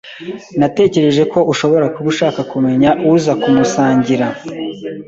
Natekereje ko ushobora kuba ushaka kumenya uza kumusangira.